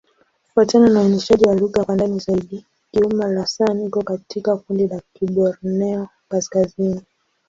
Kufuatana na uainishaji wa lugha kwa ndani zaidi, Kiuma'-Lasan iko katika kundi la Kiborneo-Kaskazini.